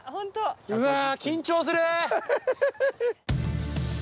うわ緊張する！